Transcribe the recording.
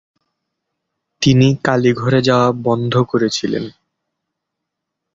তিনি কালীঘরে যাওয়া বন্ধ করেছিলেন।